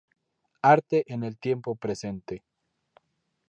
Arte en el Tiempo Presente".